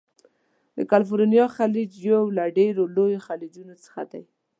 د کلفورنیا خلیج یو له ډیرو لویو خلیجونو څخه دی.